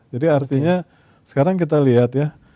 jadi artinya sekarang kita lihat ya